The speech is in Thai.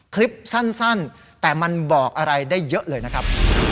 คลิปสั้นแต่มันบอกอะไรได้เยอะเลยนะครับ